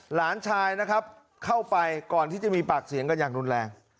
หลานชายเข้าไปก่อนที่จะมีปากซี่ยงอย่างรุนแรง